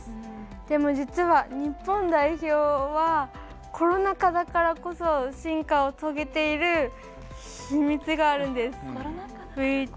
でも実は日本代表はコロナ禍だからこそ進化を遂げている秘密があるんです。